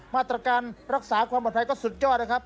มาตรการรักษาความปลอดภัยก็สุดยอดนะครับ